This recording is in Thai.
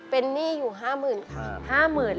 เป็นหนี้อยู่๕๐๐๐ค่ะ